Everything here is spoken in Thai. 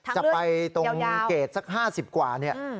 จะไปตรงเกรดสัก๕๐กว่าเนี่ย